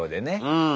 うん。